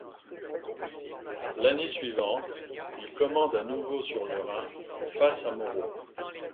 L’année suivante, il commande à nouveau sur le Rhin, face à Moreau.